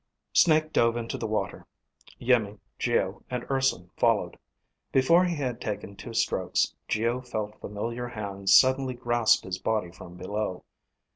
Snake dove into the water. Iimmi, Geo, and Urson followed. Before he had taken two strokes, Geo felt familiar hands suddenly grasp his body from below.